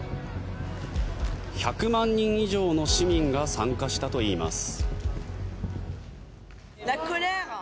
１００万人以上の市民が参加したといいます。